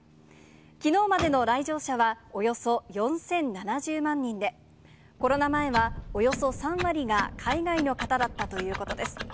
きのうまでの来場者は、およそ４０７０万人で、コロナ前はおよそ３割が海外の方だったということです。